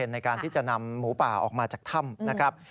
ในการที่จะนำหมูป่าออกมาจากถ้ำนะครับ